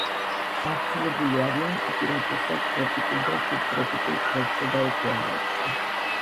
გავრცელებული არიან უპირატესად ტროპიკულ და სუბტროპიკულ ზღვებსა და ოკეანეებში.